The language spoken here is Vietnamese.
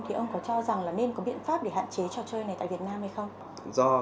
thì ông có cho rằng là nên có biện pháp để hạn chế trò chơi này tại việt nam hay không